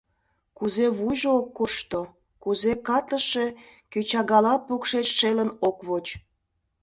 Кузе вуйжо ок коршто, кузе катлыше кӧчагала покшеч шелын ок воч?